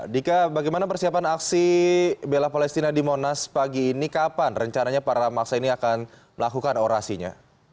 dika bagaimana persiapan aksi bela palestina di monas pagi ini kapan rencananya para maksa ini akan melakukan orasinya